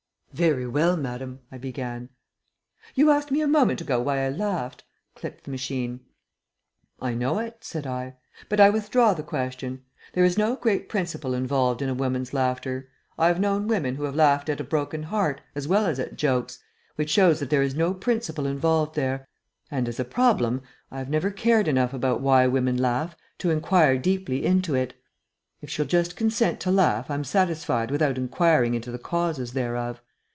"Very well, madame " I began. "You asked me a moment ago why I laughed," clicked the machine. "I know it," said I. "But I withdraw the question. There is no great principle involved in a woman's laughter. I have known women who have laughed at a broken heart, as well as at jokes, which shows that there is no principle involved there; and as a problem, I have never cared enough about why women laugh to inquire deeply into it. If she'll just consent to laugh, I'm satisfied without inquiring into the causes thereof.